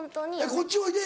「こっちおいで」